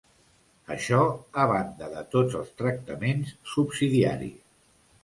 Això, a banda de tots els tractaments subsidiaris.